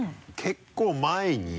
結構前に。